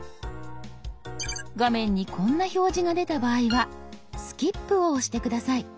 画面にこんな表示が出た場合は「スキップ」を押して下さい。